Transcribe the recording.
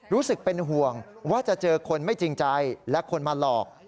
รู้สึกเป็นห่วงว่าจะเจอคนไม่จริงใจและคนมาหลอก